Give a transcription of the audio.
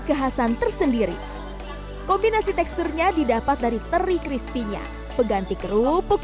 kekhasan tersendiri kombinasi teksturnya didapat dari teri crispy nya peganti kerupuk